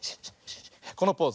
このポーズ。